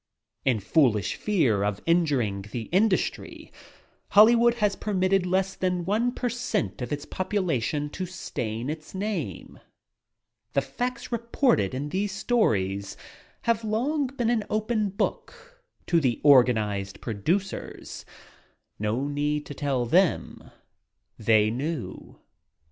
In foolish fear of injuring the industry, Hollywood has permitted less than one per cent of its population to stain its name. The facts reported in these stories have long' been an open book to the organized V ^WI THE SINS OF HOLLYWOOD 7 producers — No need to tell knew!